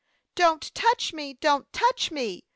"Don't touch me! Don't touch me!"